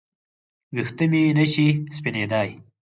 ویښته مې نشي سپینېدای